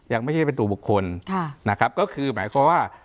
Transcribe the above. ยังไม่ใช่เป็นตัวบุคคลนะครับก็คือหมายความว่า